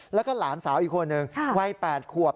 แล้วก็หลานสาวอีกคนหนึ่งวัย๘ขวบ